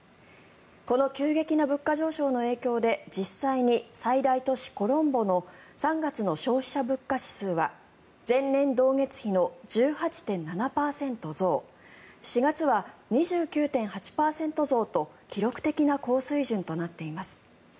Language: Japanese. この急激な物価上昇の影響で実際に最大都市コロンボの３月の消費者物価指数は前年同月比の１８．７％増４月は２９．８％増と記録的な高水準となっています。